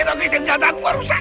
itu kesenggatan warusa